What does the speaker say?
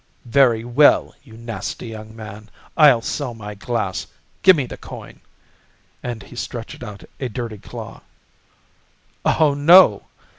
"Very well, you nasty young man, I'll sell my glass. Give me the coin!" and he stretched out a dirty claw. "Oh no!"